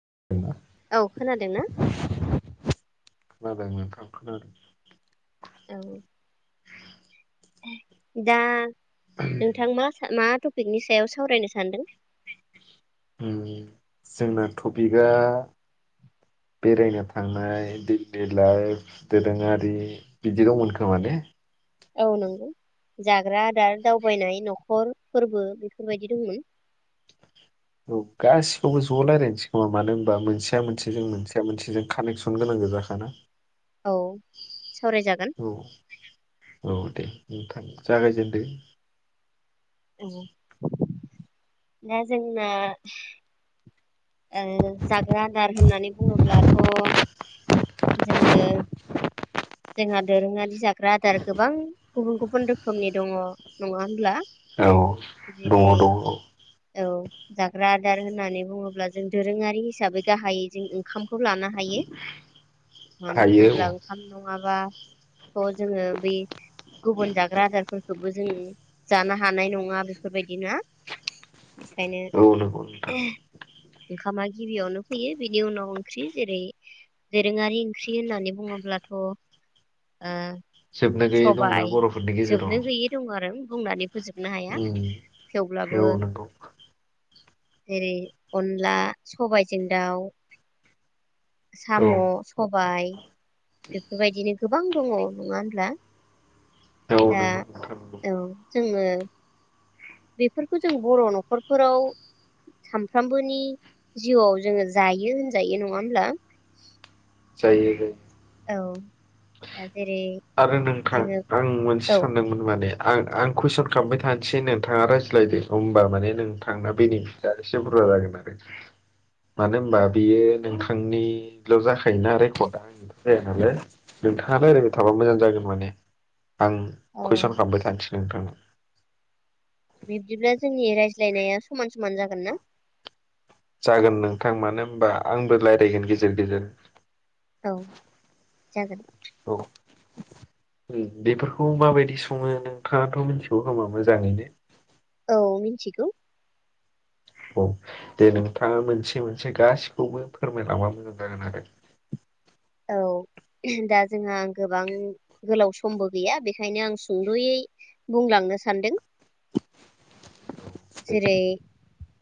[unintelligible] औ खोनादों ना? खोनादों नोंथां खोनादों औ दा नोंथां मा मा त पिकनि सायाव सावरायनो सान्दों। उम जोंना टपिकआ बेरायनो थांनाय दैलि लाइफ दोरोङारि बिदि दंमोन खोमाने? औ नोंगौ जाग्रा आदार दावबायनाय नखर फोरबो बेफोरबायदि दंमोन। औ गासिखौबो ज' रायलायनोसै खोमा मानो होनबा मोनसेया मोनसे जों मोनसेया मोनसेजों कानेक्सन गोनां गोजाखाना? औ सावरायजागोन औ औ दे नोंथां जागायजेनदो। दा जोंना ओ जाग्रा आदार होननानै बुङोब्लाथ' जोङो जोंहा दोरोङारि जा ग्रा आदार गोबां गुबुन गुबुन रोखोमनि दङ नङा होनब्ला? औ दङ जेरै दङ। औ जाग्रा आदार होननानै बुङोब्ला जों दोरोङारि हिसाबै गाहायै जों ओंखाम खौ लानो हायो मानो हायो होनोब्ला औ ओंखाम माबा अ जोङो बै गुबुन जाग्रा आदारफोरखोबो जो जों जानो हानाय नङा बेफोरबायदिना। औ नोंगौ नोंथां। ओंखामा गिबियावनो फैयो बिनि उनाव ओंख्रि जेरै दोरोङारि ओंख्रि होननानै बुङोब्लाथ थ ओ जोबनो गैयै दंना सबाय बर'फोरनि गेजेराव बुंनानैब उम औ नोंगौ। जेरै अनला सबायजों दाउ औ साम', सबाय बेफोरबायदिनो गोबां दं नङा होनबा। औ नंगौ नोथां नंगौ जोङो बेफोरखौ जों बर' न'खरफोराव सामफ्रामबोनि जिउआव जोङो जायो होनजायो नङा होमब्ला। जायो [unintelligible] औ जेरै आरो नोंथां जोङो आं मोनसे औ सानदोंमोन माने‌ आं आं कुइसन खालामबाय थानोसै नोंथाङा रायज्लायदो होमबा माने नोंथांना बेनिफिटआ एसे बुरजा जागोन आरो मानो होनबा बियो नोंथांनिल' जाखायोना रेकर्डआ आंनिथ' जाया नालाय नोंथाङारायलायबाय थाबा मोजां जागोन माने आं औ कुइसन खालामबाय थानोसै नोथांनाव। बिब्दिब्ला जोंनि रायज्लायनाया समान समान जागोन ना? जागोन नोंथां मानो होनबा आंबो रायज्लायगोन गेजेर गेजेर औ जागोन औ उम बेफोरखौ माबायदि सङो नोंथाङाथ' मिथिगौ खोमा मोजाङैनो? औ मिन्थिगौ। औ दे नोंथाङा मोनसे मोनसे गासिखौबो फोरमायलांबा मोजां जागोन आरो। औ दा जोंहा गोबां गोलाव समबो गैया बेखायनो आं सुंद'यै बुंलांनो सानदों। दे जेरै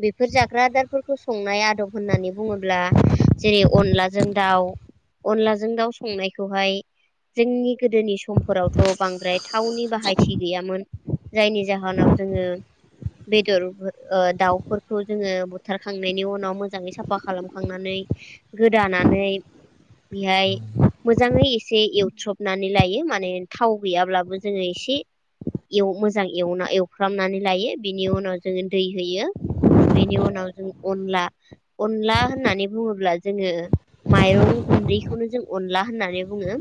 बेफोर जाग्रा आदार फोरखौ संनाय आदब होननानै बुङोब्ला जेरै अनलाजों दाउ अनलाजों दाउ संनायखौहाय जोंनि गोदोनि समफोरावथ' बांद्राय थावनि बाहायथि गैयामोन। जायनि जाहोनाव जोङो बेदर ओ दाउफोरखौ जोङो बुथारखांनायनि उनाव मोजाङै साफा खालामखांनानै गोदानानै बेहाय मोजाङै एसे एवथ्रबनानै लायो माने थाव गैयाब्लाबो जोङो एसे एव मोजां एवना एवफ्रामनानै लायो बिनि उनाव जोङो दै होयो बेनि उनाव जों अनला अनला होननानै बुङोब्ला जोङो माइरं गुन्दैखौनो जों अनला होननानै बुङो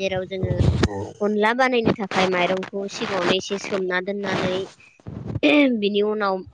जेराव जोङो औ औ अनला बानायनो थाखा ओमफ्राय माइरंखौ सिगाङावनो एसे सोमना दोननानै बिनि उनाव